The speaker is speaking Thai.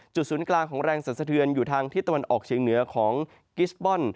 ศูนย์กลางของแรงสันสะเทือนอยู่ทางทิศตะวันออกเชียงเหนือของกิสบอล